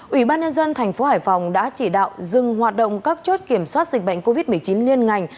ủy ban nhân dân thành phố hải phòng đã chỉ đạo dừng hoạt động các chốt kiểm soát dịch bệnh covid một mươi chín liên ngành